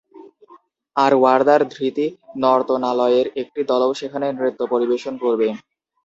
আর ওয়ার্দার ধৃতি নর্তনালয়ের একটি দলও সেখানে নৃত্য পরিবেশন করবে।